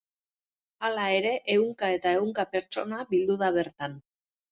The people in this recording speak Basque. Hala ere, ehunka eta ehunka perstona bildu da bertan.